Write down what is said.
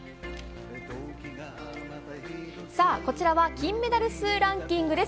さあ、こちらは金メダル数ランキングです。